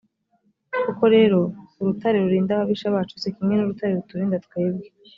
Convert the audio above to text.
koko rero urutare rurinda ababisha bacu si kimwe n’urutare ruturinda twebwe.